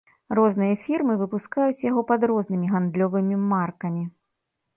Розныя фірмы выпускаюць яго пад рознымі гандлёвымі маркамі.